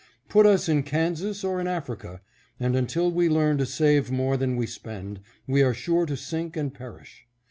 Put us in Kansas or in Africa, and until we learn to save more than we spend, we are sure to sink and perish.